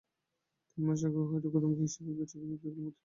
তিন মাস আগেও হয়তো কুমুদকে হিসাবি বিবেচক দেখিলে মতি খুশি হইত।